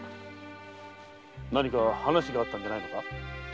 何か話があったんじゃないのか？